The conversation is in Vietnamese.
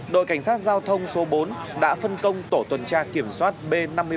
đội cảnh sát giao thông số bốn đã phân công tổ tuần tra kiểm soát b năm mươi bảy